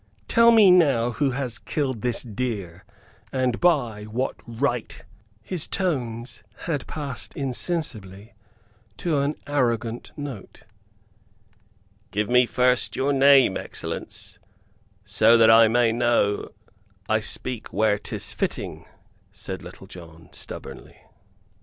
Tell me now who has killed this deer, and by what right?" His tones had passed insensibly to an arrogant note. "Give me first your name, excellence, so that I may know I speak where 'tis fitting," said Little John, stubbornly.